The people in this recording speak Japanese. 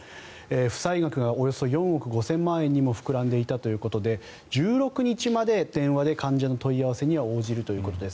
負債額がおよそ４億５０００万円にも膨らんでいたということで１６日まで電話で患者の問い合わせには応じるということです。